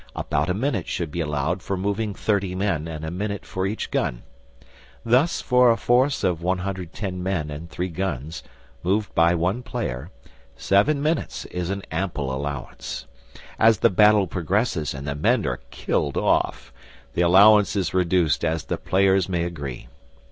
About a minute should be allowed for moving 30 men and a minute for each gun. Thus for a force of 110 men and 3 guns, moved by one player, seven minutes is an ample allowance. As the battle progresses and the men are killed off, the allowance is reduced as the players may agree.